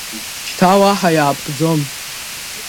Шьҭа уаҳа иаапкӡом.